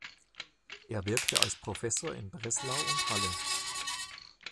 Er wirkte als Professor in Breslau und Halle.